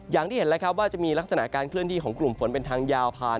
อย่างที่เห็นแล้วครับว่าจะมีลักษณะการเคลื่อนที่ของกลุ่มฝนเป็นทางยาวผ่าน